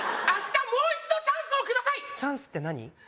明日もう一度チャンスをくださいチャンスって何？